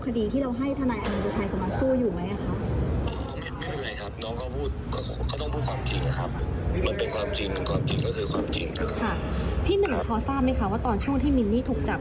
พี่หนึ่งพอทราบไหมคะว่าตอนช่วงที่มินนี่ถูกจับ